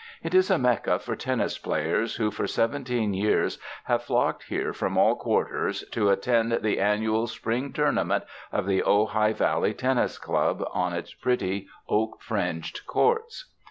It is a mecca for tennis players who for seven teen years have flocked here from all quarters to at tend the annual spring tournament of the Ojai Val ]ej Tennis Club on its pretty oak fringed courts.